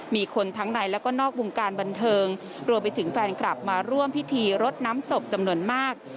มีคนทั้งในแล้วก็นอกวงการบันเทิงรวมไปถึงแฟนคลับมาร่วมพิธีรดน้ำศพจำนวนมาก